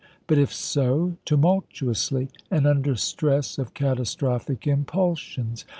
But if so, tumultuously, and under stress of catastrophic impulsions.